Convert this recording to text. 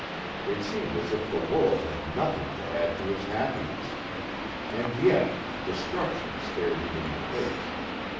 It seemed as if the world had nothing to add to his happiness. And yet destruction stared him in the face.